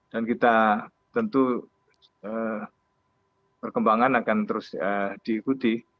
dan kita tentu perkembangan akan terus diikuti